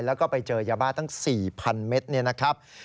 แล้วก็ไปเจอยาบ้าตั้ง๔๐๐เมตรเนี่ยนะครับ